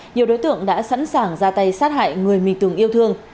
nhiều đối tượng đã sẵn sàng ra tay sát hại người mình từng yêu thương